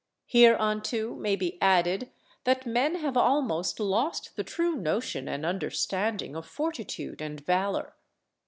Hereunto may be added, that men have almost lost the true notion and understanding of fortitude and valour.